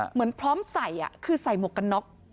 เหมือนพร้อมใส่คือใส่หมวกกันน็อก